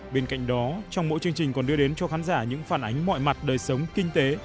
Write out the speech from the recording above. bên cạnh đó trong mỗi chương trình còn đưa đến cho khán giả những phản ánh mọi mặt đời sống kinh tế